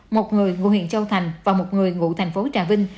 một người ngụ huyện châu thành và một người ngụ thành phố trà vinh